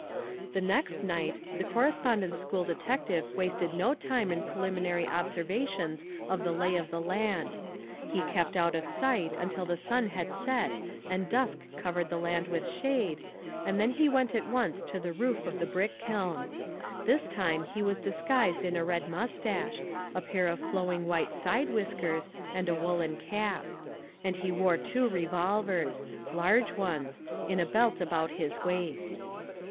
The next night the Correspondence School detective wasted no time in preliminary observations of the lay of the land. He kept out of sight until the sun had set and dusk covered the land with shade, and then he went at once to the roof of the brick kiln. This time he was disguised in a red mustache, a pair of flowing white side whiskers, and a woolen cap. And he wore two revolvers large ones in a belt about his waist.